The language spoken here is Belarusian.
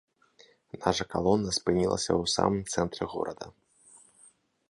Наша калона спынілася ў самым цэнтры горада.